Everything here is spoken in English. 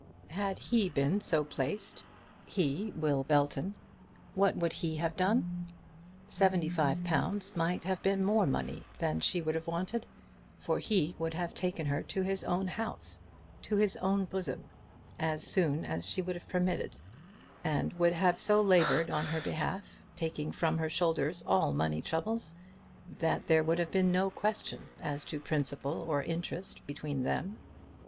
Had he been so placed, he, Will Belton, what would he have done? Seventy five pounds might have been more money than she would have wanted, for he would have taken her to his own house, to his own bosom, as soon as she would have permitted, and would have so laboured on her behalf, taking from her shoulders all money troubles, that there would have been no question as to principal or interest between them.